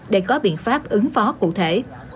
để có biện pháp ứng phó cụ thể